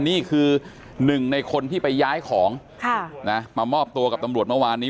นี่คือหนึ่งในคนที่ไปย้ายของมามอบตัวกับตำรวจเมื่อวานนี้